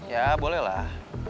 ya boleh lah